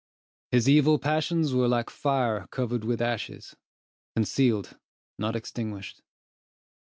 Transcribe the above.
His evil passions were like fire covered with ashes, concealed, not extinguished.